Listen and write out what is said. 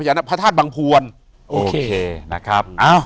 อยู่ที่แม่ศรีวิรัยิลครับ